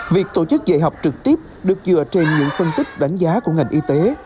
việc tổ chức dạy học trực tiếp được dựa trên những phân tích đánh giá của ngành y tế